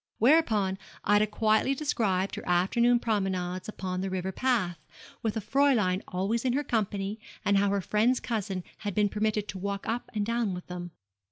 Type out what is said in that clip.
Whereupon Ida quietly described her afternoon promenades upon the river path, with the Fräulein always in her company, and how her friend's cousin had been permitted to walk up and down with them.